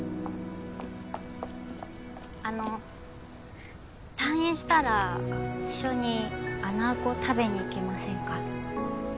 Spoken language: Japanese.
あの退院したら一緒に穴子食べに行きませんか？